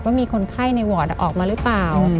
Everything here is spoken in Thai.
ว่ามีคนไข้ในวอร์ดออกมาหรือเปล่า